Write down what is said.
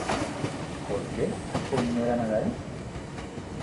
¿Por que, señora Narai?